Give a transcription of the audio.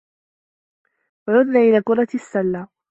عدن إلى كرة السّلّة.